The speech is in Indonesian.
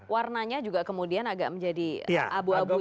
warnanya juga kemudian agak menjadi abu abu ya